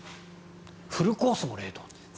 フルコースも冷凍。